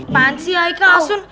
panci ya ikan asun